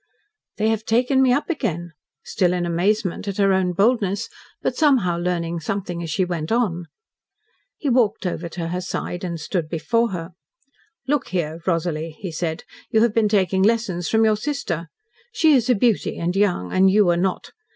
"They have taken me up again." Still in amazement at her own boldness, but somehow learning something as she went on. He walked over to her side, and stood before her. "Look here, Rosalie," he said. "You have been taking lessons from your sister. She is a beauty and young and you are not.